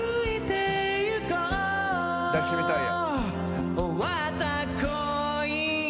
抱きしめたいや。